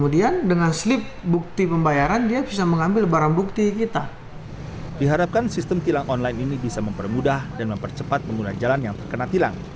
diharapkan sistem tilang online ini bisa mempermudah dan mempercepat pengguna jalan yang terkena tilang